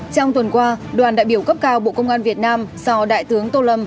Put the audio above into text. trong tuần qua đoàn đại biểu cấp cao bộ công an việt nam do đại tướng tô lâm